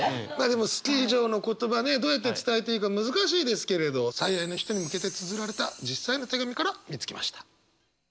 「好き」以上の言葉ねどうやって伝えていいか難しいですけれど最愛の人に向けてつづられた実際の手紙から見つけました。